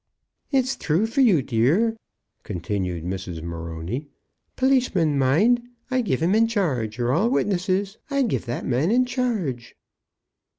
"It's thrue for you, dear," continued Mrs. Morony. "Policemen, mind, I give him in charge. You're all witnesses, I give that man in charge."